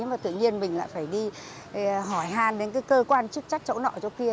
nhưng mà tự nhiên mình lại phải đi hỏi hàn đến cơ quan chức trách chỗ nọ chỗ kia